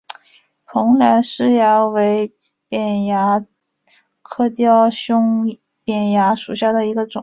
蓬莱虱蚜为扁蚜科雕胸扁蚜属下的一个种。